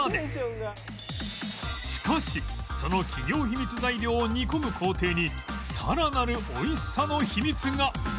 しかしその企業秘密材料を煮込む工程にさらなるおいしさの秘密が！